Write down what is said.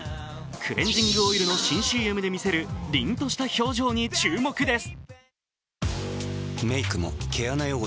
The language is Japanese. クレンジングオイルの新ＣＭで見せる、りんとした表情に注目です。